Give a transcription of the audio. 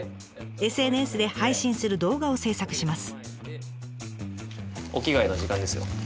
ＳＮＳで配信する動画を制作します。